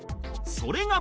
それが